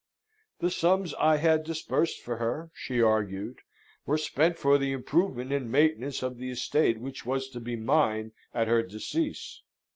The sums I had disbursed for her, she argued, were spent for the improvement and maintenance of the estate which was to be mine at her decease.